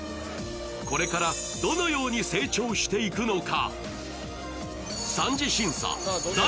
これからどのように成長していくのか。